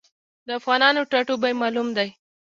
د افغانانو ټاټوبی معلوم دی.